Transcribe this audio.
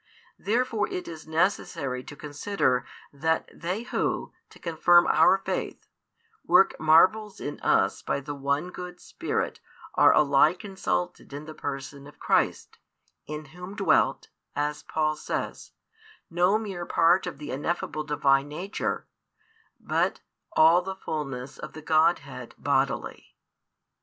Therefore it is necessary to consider that they who, to confirm our faith, work marvels in us by the one good Spirit are alike insulted in the Person of Christ, in Whom dwelt, as Paul says, no mere part of the ineffable Divine Nature, but all the fulness [of the Godhead] bodily.